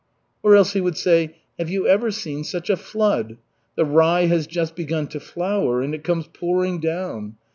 Or else he would say: "Have you ever seen such a flood? The rye has just begun to flower and it comes pouring down.